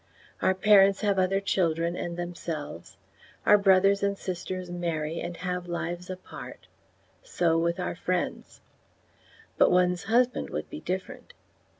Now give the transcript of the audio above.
Our parents have other children and themselves, our brothers and sisters marry and have lives apart, so with our friends; but one's husband would be different.